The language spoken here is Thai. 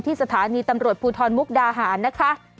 สถานีตำรวจภูทรมุกดาหารนะคะ